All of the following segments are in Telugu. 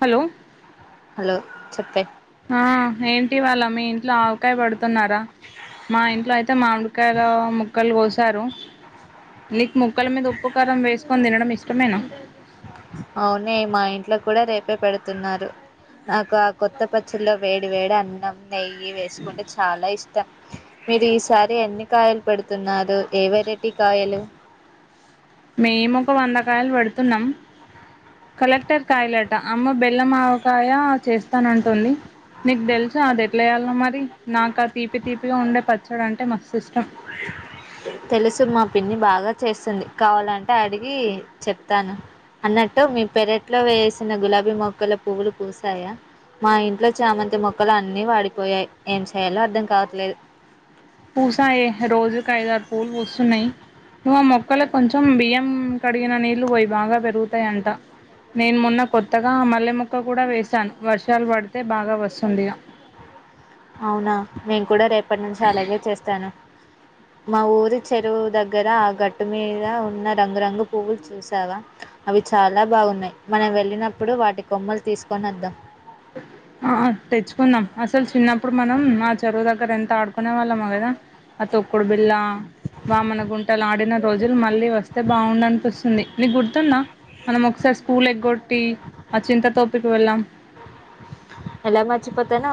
హలో హలో చెప్ ఆ ఏంటి వాళ్ళ మీ ఇంట్లో ఆవకాయ పడుతున్నారా? మా ఇంట్లో అయితే మామిడికాయల ముక్కలు కోసారు. నీకు ముక్కల మీద ఉప్పు కారం వేసుకొని తినడం ఇష్టమేనా? అవునే మా ఇంట్లో కూడా రేపే పెడుతున్నారు నాకు గ కొత్తప్పచ్చెక వేడి వేడి అన్నం నెయ్యి వేసుకుంటే చాలా ఇష్ మీరు ఈసారి ఎన్ని కాయలు పెడుతున్నారు ఏ వెరైటీ కాయలు మేమొ ఒక వందకాయలు పెడుతున్నాం. కలెక్టర్ కాయలేట అమ్మ బెల్లం ఆవకాయ చేస్తానంటుంది. నీకు తెలుస అది ఎట్లాచేయళ, మరి నాకు ఆ తీపి తీపిగా ఉండే పచ్చడు అంటే మస్తు ఇష్టం. తెలుసు మా పిన్ని బాగా చేస్తుంది. కావాలంటే అడిగి చెప్తాను అన్నట్టు. మీ పెరట్లో వేసిన గులాబీ మొక్కలు పువ్వులు పూసాయా, మా ఇంట్లో చామంతి మొక్కలు అన్నీ వాడిపోయాయి. ఏం చేయాలో అర్థం కావట్లేదు. పూసా ఏ రోజు లేద పూలు పూస్తున్నాయ్ మమ్ మొక్కలు కొంచెం బియ్యం కడిగిన నీళ్ళు పోయి బాగా పెరుగుతాయంట. నేను మొన్న కొత్తగా మల్లె మొక్క కూడా వేసాను. వర్షాలు పడితే బాగా వస్తుందిగా. అవునా నేను కూడా రేపు ఇప్పటి నుంచి అలాగే చేస్తాను. మా ఊరి చెరువు దగ్గర ఆ గట్టు మీద ఉన్న రంగురంగు పువ్వులు చూసావా, అవి చాలా బాగున్నాయి. మనం వెళ్ళినప్పుడు వాటి కొమ్మలు తీసుకొని వద్ ఆ తెచ్చుకున్నాం. అసలు చిన్నప్పుడు మనం మా చెరువు దగ్గర ఎంత ఆడుకు ఆడుకోనేవాళ్లమో కదా ఆ తొక్కుడు బిల్లా వామన గుంటలు ఆడిన రోజులు మళ్ళీ వస్తే బావుండనిపిస్తుంది. నీకు గుర్తున్న మనం ఒకసారి స్కూల్ ఎగ్గొట్ ఆ చింత తోపికి వెళ్ళాం. ఎలా మర్చిపోతాను.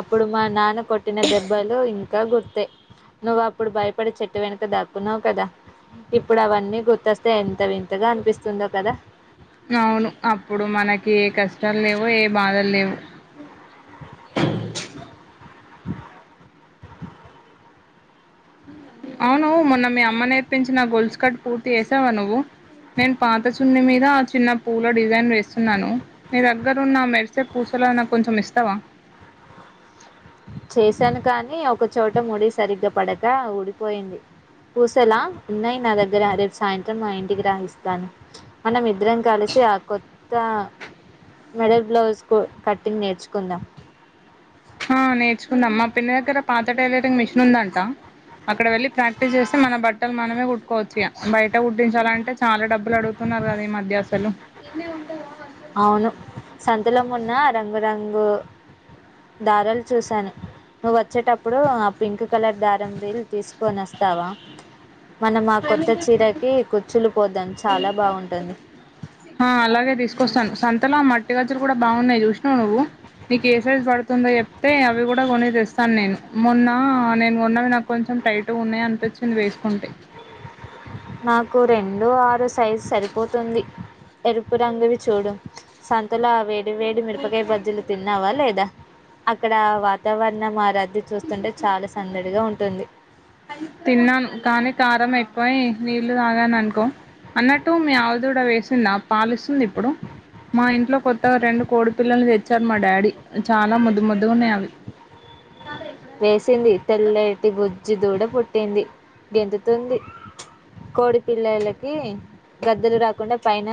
అప్పుడు మా నాన్న కొట్టిన దెబ్బలు ఇంకా గుర్తె. నువ్వు అప్పుడు భయపడే చెట్టు వెనుక దాక్కున్నావు కదా. ఇప్పుడు అవన్నీ గుర్తొస్తే ఎంత వింతగా అనిపిస్తుందో కదా! అవును అప్పుడు మనకి ఏ కష్టాలు లేవు. ఏ బాధలు లేవు. ఆ అవును మొన్న మీ అమ్మ నేర్పించిన గొల్సు కట్ పూర్తి చేసావా నువ్వు నేను పాత సున్ని మీద చిన్న పూవు లో డిజైన్ వేస్తున్నాను. మీ దగ్గర ఉన్న మెరిసేపు పూసలో నాకు కొంచెం ఇస్తావా. చేశాను కానీ ఒకచోట ముడి సరిగ్గా పడక ఊడిపోయింది. పూసేలా ఉన్నాయి నా దగ్గర రేపు సాయంత్రం నా ఇంటికి రా యిస్తాను. మనం ఇద్దరం కలిసి ఆ కొత్త మెడల్ బ్లౌజ్ కు కట్టింగ్ నేర్చుకుందాం. ఆ నేర్చుకుందాం. మా పిన్న దగ్గర పాత టైలరింగ్ మిషన్ ఉందంట. అక్కడ వెళ్ళి ప్రాక్టీస్ చేస్తే మన బట్టలు మనమే కుట్కోవచ్చు. బయట కుట్టించాలంటే చాలా డబ్బులు అడుగుతున్నారు. కదా ఈ మధ్య అసలు. అవును సంతల మొన్న రంగురంగు ను దారాలు చూసాను నువ్వు వచ్చేటప్పుడు ఆ పింక్ కలర్ దారం ల్ తీసుకొని వస్తావా మనం ఆ కొత్త చీరకి కుచ్చులు పోద్దాం చాలా బాగుంటుంది తీకొస్తాను సంతలో ఆ మట్టి గజ్జులు కూడా బాగున్నాయి చూసినావు నువ్వు నీకు ఏ సైజ్ పడుతుందో చెప్తే అవి కూడా కొనే తెస్తాను నేను మొన్న నేను కొన్నవి నాకు కొంచెం టైట్ ఉన్నాయ అనిపించింది వేసుకుంటే నాకు రెండు ఆరు సైజు సరిపోతుంది ఎరుపు రంగువి చూడు సంతలో అవే వడి వేడి మిరపకాయ బజ్జీలు తిన్నావా లేదా అక్కడ వాతావరణం మారదు తిన్నాను కానీ కారంమ ఎ పోయి నీళ్లు తాగాని అనుకో అన్నట్టు మీ ఆవిధడ వేసింది ఆ పాలిస్తుంది ఇప్పుడు మా ఇంట్లో కొత్తగా రెండు కోడి పిల్లలు తెచ్చారు మా డాడీ చాలా ముద్దు ముద్దుగా ఉన్నాయి అవి వేసింది తెల్లటి బొజ్జి దూడ పుట్టింది గెంందుతుంది కోడి పిల్లలకి గద్దలు రాకుండా పైన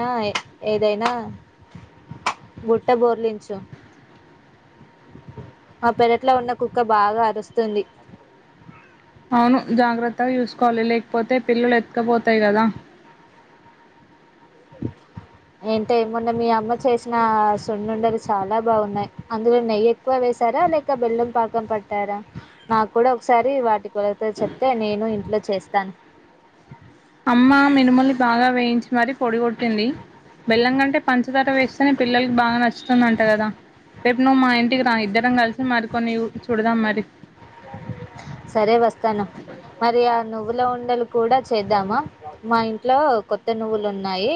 ఏదైనా గుట్ట బోర్లించు ఆ పెరట్లో ఉన్న ఒక్క బాగా అరుస్తుంది అవును జాగ్రత్తగా చూసుకోవాలి లేకపోతే పిల్లలు ఎత్తుకపోతాయి కదా ఏంటే ఏమున్నా మీ అమ్మ చేసిన సొడుండవి చాలా బాగున్నాయి అందులో నెయ్యి ఎక్కువ వేసారా లేక బెల్లం పాకం పట్టారా నాకు కూడా ఒకసారి వాటి తే చెప్తే నేను ఇంట్లో చేస్తాను అమ్మా మనుమొళలి బాగా వయించ మర పొడిగొట్టింది బెల్లం కంటే పంచతర వేస్తేనే పిల్లలకి బాగా నచ్చుతుంది అంట కదా రేపు నువ్వు మా ఇ ఇకి రా ఇద్దరం కలిసి మరికొన్ని చూడదాం మరి సరే వస్తాను మరి ఆ నువ్వులో ఉండలు కూడా చేద్దామా మా ఇంట్లో కొత్త నువ్వులు ఉన్నాయి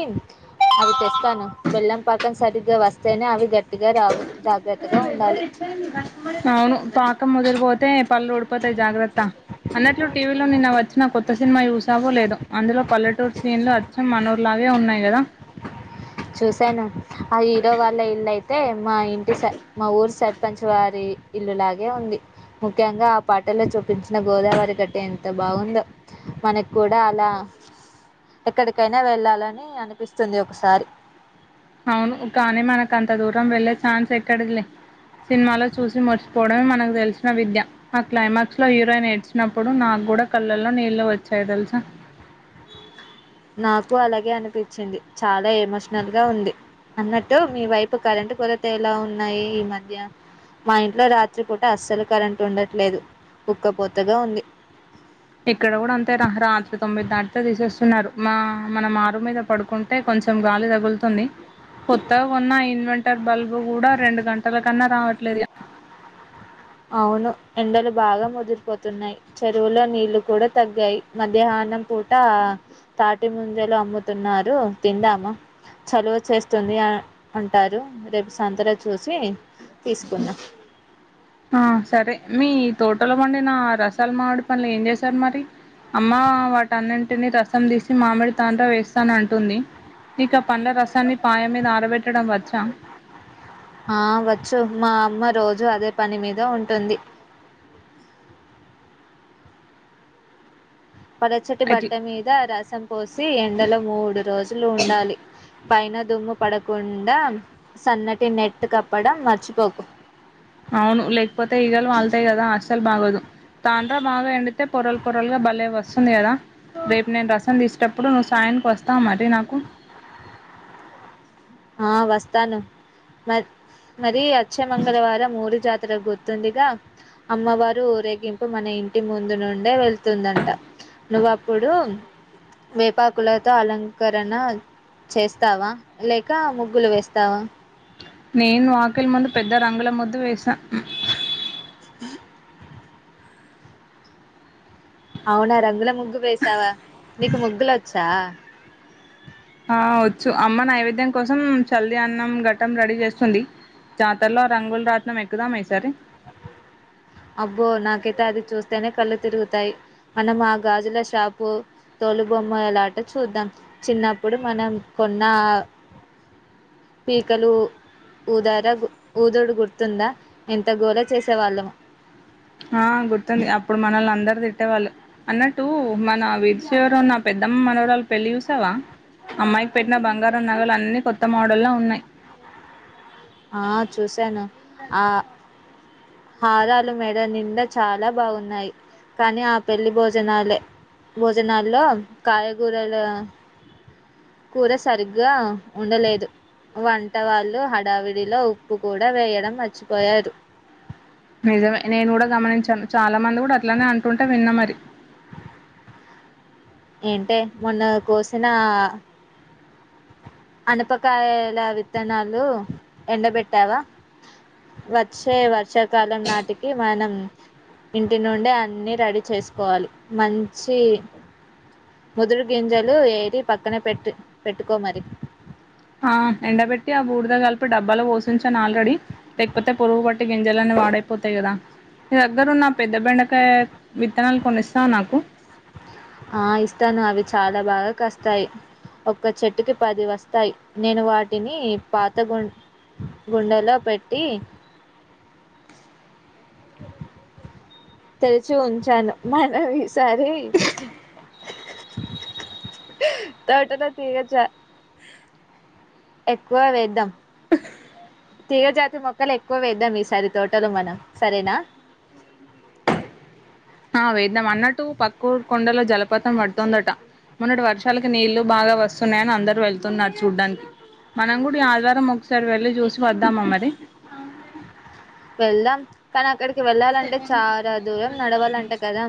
అవి తెస్తాను బెల్లం పాకం సరిగ్గా వస్తేనే అవి గ టిగా రావు జాగ్రత్తగా ఉండాలి ముొదరిపోతే పల్లడు పోతాయి జాగ్రత్త అన్నట్లు టీవీలో నిన్న వచ్చిన కొత్త సినిమా చయూసావో లేదు అందులో పల్లెటూరు సీన్లు అచ్చం మనోర్లాగే ఉన్నాయి కదా చూశాను ఆ హీరో వాళ్ళ ఇల్లు అయితే మా ఇంటి స మా ఊరు సార్ పంచవారి ఇల్లులాగే ఉంది ముఖ్యంగా ఆ పాటలో చూపించిన గోదావరి గట్టె ఎంత బాగుందో మనకి కూడా అలా ఎక్కడికైనా వెళ్ళాలని అనిపిస్తుంది ఒకసారి అవును కానీ మనకు అంత దూరం వెళ్ళే ఛాన్స్ ఎక్కడి లే సినిమాలో చూసి మర్చిపోవడమే మనకు తెలిసిన విద్య ఆ క్లైమాక్స్ లో హీరోయిన్ ఏడ్చినప్పుడు నాకు కూడా కళ్ళల్లో నీళ్లు వచ్చాయి తెలుసా నాకు అలాగే అనిపించింది చాలా ఎమోషనల్ గా ఉంది అన్నట్టు మీ వైపు కరెంటు కొరత ఎలా ఉన్నాయి ఈ మధ్య మా ఇంట్లో రాత్రిపూట అస్సలు కరెంటు ఉండట్లేదు కుక్కపోతగా ఉంది ఇక్కడ కూడా అంతే రా రాత్రి మనం ఆరు మీద పడుకుంటే కొంచెం గాలి తగులుతుంది కొత్తా ఉన్నా ఇన్మం హటర్ బల్బ్ కూడా రెండు గంటల కన్నా రావట్లేదు అవును ఎండలు బాగా ముదిరిపోతున్నాయి చెరువులో నీళ్లు కూడా తగ్గాయి మధ్యాహ్నం పూట తాటి ముంజలు అమ్ముతున్నారు తిందామా చలవు చేస్తుంది అ అంటారు రేపు సంతలో చూసి తీసుకుందాం సరే మీ తోటలో పండిన రసాలు మామిడి పండ్లు ఏం చేశారు మరి అమ్మ వాటన్నింటిని రసం తీసి మామిడి తాండ్ర వేస్తాను అంటుంది మీకు ఆ పండ్ల రసాన్ని పాయ మీద ఆరబెట్టడం వచ్చా ఆ వచ్చు మా అమ్మ రోజు అదే పని మీద ఉంటుంది పరచటి బట్ట అట్లా మీద రసం పోస్త సి ఎండలో మూడు రోజులు ఉండాలి పైన దుమ్ము పడకుండా సన్నటి నెట్ కప్పడం మర్చిపోకు అవును లేకపోతే ఈగలు వాళ్తాయి కదా అస్సలు బాగోదు తాండ్రా బాగా ఎండితే పొరల్ పొరలు గా భలే వస్తుంది కదా రేపు నేను రసం తీసేటప్పుడు నువ్వు సాయానికి వస్తావు మరి నాకు ఆ వస్తాను మ మరి వచ్చే మంగళవారం ఊరి జాతర గుర్తుందిగా అమ్మవారు ఊరేగింపు మన ఇంటి ముందు నుండే వెళ్తుందంట. నువ్వు అప్పుడు వేపాకులతో అలంకరణ చేస్తావా లే ఇంకా ముగ్గులు వేస్తావా నేను అకిలి ముందు పెద్ద రంగుల ము వేసా అ అవునా రంగుల ము వేసావా నీకు ముగ్గులు వచ్చా ఆ వచ్చు అమ్మ నైవేద్యం కోసం చల్లి అన్నం ఘట్టం రెడీ చేస్తుంది జాతరలో రంగులు రాత్నం ఎక్కుదామయి ఇసారి, అబ్బో నాకైతే అది చూస్తేనే కళ్ళు తిరుగుతాయి మనం ఆ గాజుల షాపు తోలు బొమ్మలాట చూద్దాం చిన్నప్పుడు మనం కొన్నా పీకలు ఊదార ఊదుడు గుర్తుందా ఎంత గోళ చేసేవాళ్ళమో ట్టేవాళ్ళు అన్నట్టు మన వీధి చివర ఉన్న నా పెద్దమ్మ మనవరాలుు పెళ్లి చూసావా అమ్మాయికి పెట్టిన బంగారం నగలు అన్ని కొత్త మోడల్లా ఉన్నాయి, ఆ చూసాను ఆ హారాలు మెడ నిండా చాలా బాగున్నాయి కానీ ఆ పెళ్లి భోజనాలే భోజనాల్లో కాయగూరలు కూర సరిగ్గా ఉండలేదు వంట వాళ్ళు హడావిడిలో ఉప్పు కూడా వేయడం మర్చిపోయారు నిజమే నేను కూడా గమనించాను చాలా మంది కూడా అట్లానే అంటుంటే విన్నా మరి, ఏంటే మొన్న కోసిన అనపకాయల విత్తనాలు ఎండబెట్టావా వచ్చే వర్షాకాలం నాటికి మనం ఇంటి నుండి అన్ని రెడీ చేసుకోవాలి మంచి ముదురు గింజలు వేరి పక్కనే పెట్టు పెట్టుకోమరి, ఆ ఎండబెట్టి ఆ బూడిద కలిపి డబ్బాలు పోసించాను ఆల్రెడీ లేకపోతే పురుగు పట్టి గింజలన్నీ పాడైపోతాయి కదా ని దగ్గరున్న పెద్ద బెండకాయ విత్తనాలు కొన్ని ఇస్తావ నాకు ఆ ఇస్తాను అవి చాలా బాగా కస్తాయి ఒక్క చెట్టుకి పది వస్తాయి నేను వాటిని పాత గు గుండలో పెట్టి తెరిచి ఉంచాను మనవి ఈసారి తోటలో తీగచ ఎక్కువ వేద్దాం తీగ జాతి మొక్కలు ఎక్కువ వేద్దాం ఈసారి తోటలో మనం సరేనా, ఆ వేద్దాం అన్నట్టు పక్క ఊరు కొండలో జలపాతం పడుతుందట మొన్నటి వర్షాలకి నీళ్లు బాగా వస్తున్నాయని అందరు వెళ్తున్నారు చూడ్డానికి మనం కూడా ఈ ఆదివారం ఒకసారి వెళ్ళి చూసి వద్దామా మరి వెళ్దాం కానీ అక్కడి వెళ్ళాలంటే చాలా దూరం నడవాలంట కదా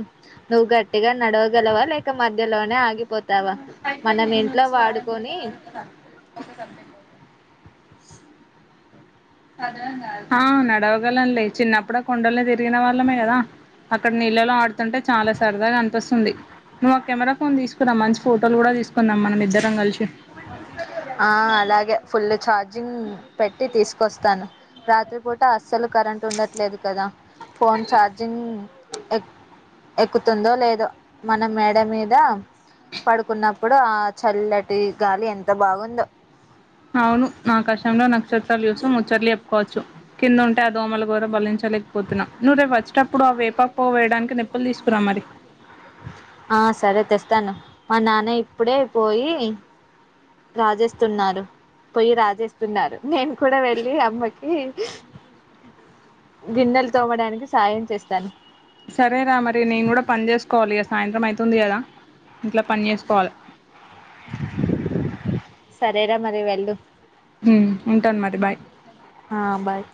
నువ్వు గట్టిగా నడవగలవా లేక మధ్యలోనే ఆగిపోత అయిపోయింది నిను వచ్చి వారం కూడా కాలేదు ఒక ఒక సబ్జెక్టు ఆ నడవగలను లే చిన్నప్పుడు కొండలిని తిరిగిన వాళ్ళమే కదా అక్కడ నీళ్ళలో ఆడుతుంటే చాలా సరదాగా అనిపిస్తుంది నువ్వు ఆ కెమెరా ఫన్ తీసుకురా మంచి ఫోటోలు కూడా తీసుకుందాం మనం ఇద్దరం కలిసి, అ మాట్లాడతు [inaudible] జింగ్ పెట్టి తీసుకొస్తాను రాత్రిపూట అస్సలు కరెంట్ ఉండట్లేదు కదా ఫోన్ చార్జింగ్ ఎక్ ఎక్కుతుందో లేదో మన మేడ మీద పడుకున్నప్పుడు ఆ చల్లటి గాలి ఎం తబాగుందో అవును మా కష్ శంలో నక్షత్రాలు చూసుకొని ముచ్చట్లు చెప్పుకోవచ్చు కింద ఉంటే ఆ దోమల గోర బలించలేకపోతున్నా నువ్వు రేపు వచ్చేటప్పుడు ఆ వేప పోవు వేయడానికి నిప్పులు తీసుకురా మరి ఆ సరే తెస్తాను మా నాన్న ఇప్పుడే పోయి రాజేస్తున్నారు పోయి రాజేస్తున్నారు నేను కూడా వెళ్ళి అమ్మకి ఈ గిన్నెలు తోమడానికి సాయం చేస్తాను సరేరా మరి నేను కూడా పని చేస్ కోవాలి ఇగా సాయంత్రం అయితుంది కదా ఇంట్లా పని చేసుకోవాలి సరేరా మరి వెళ్ళు హమ్ ఉంటాను మరి బాయ్ ఆ బాయ్